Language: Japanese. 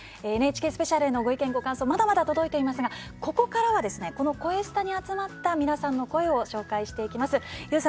「ＮＨＫスペシャル」へのご意見ご感想まだまだ届いていますがここからはこの「こえスタ」に集まった皆さんの声をご紹介していきます。